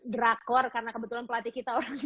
drakor karena kebetulan pelatih kita